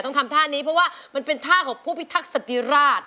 ต้องทำท่านี้เพราะว่ามันเป็นท่าของผู้พิทักษิราช